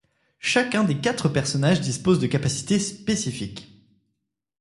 Chacun des quatre personnages disposent de capacités spécifiques.